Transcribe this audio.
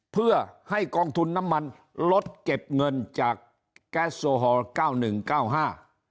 เพื่อให้กองทุนน้ำมันลดเก็บเงินจากแก๊สโซฮอลทั้ง๙๑ลงมา๙๕